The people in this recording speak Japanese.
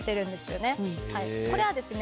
これはですね